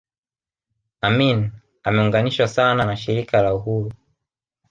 Amin ameunganishwa sana na Shirika la Uhuru